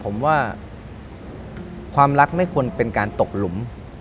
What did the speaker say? ผมว่าความรักไม่ควรเป็นการตกหลุม